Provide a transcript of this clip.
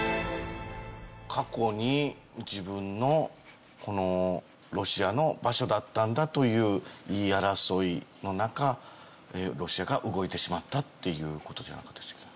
過去に自分のこのロシアの場所だったんだという言い争いの中ロシアが動いてしまったという事じゃなかったでしたっけ。